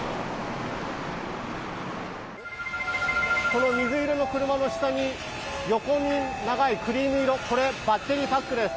この水色の車の下に横に長いクリーム色これ、バッテリーパックです。